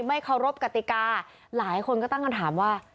ไม่เคารพกติกาหลายคนก็ตั้งคำถามว่า